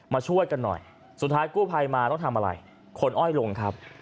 ช่วยกันหน่อยสุดท้ายกู้ภัยมาต้องทำอะไรคนอ้อยลงครับ